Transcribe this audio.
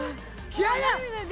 気合いだ！